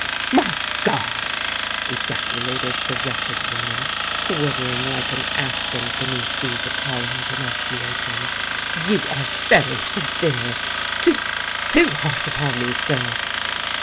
"My God!" ejaculated the wretched woman, quivering like an aspen beneath these appalling denunciations; "you are very severe—too, too harsh upon me, sir!"